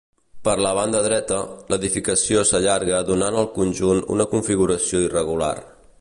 Per la banda dreta, l'edificació s'allarga donant al conjunt una configuració irregular.